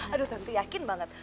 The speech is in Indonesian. aduh santi yakin banget